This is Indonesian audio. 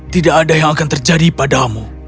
tidak ada yang akan terjadi padamu